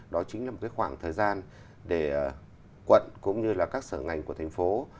đó chính là một khoảng thời gian để quận cũng như các sở ngành của thành phố